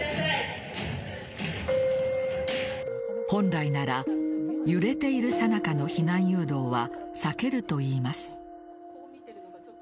本来なら、揺れているさなかの避難誘導は避けるといいます。